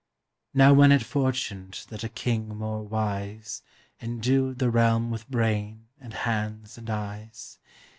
Now when it fortuned that a king more wise Endued the realm with brain and hands and eyes.